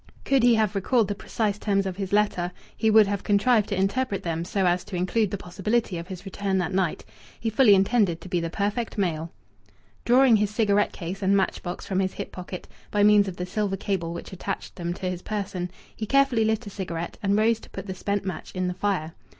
Could he have recalled the precise terms of his letter, he would have contrived to interpret them so as to include the possibility of his return that night. He fully intended to be the perfect male. Drawing his cigarette case and match box from his hip pocket, by means of the silver cable which attached them to his person, he carefully lit a cigarette and rose to put the spent match in the fire.